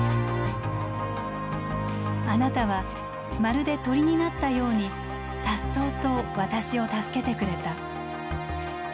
「あなたはまるで鳥になったようにさっそうと私を助けてくれた。